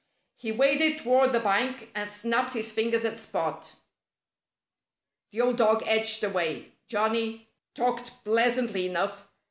He waded toward the bank and snapped his fingers at Spot. The old dog edged away. Johnnie talked pleasantly enough.